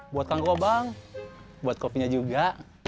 buat kang gobang buat kopinya juga